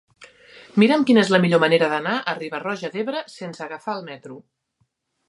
Mira'm quina és la millor manera d'anar a Riba-roja d'Ebre sense agafar el metro.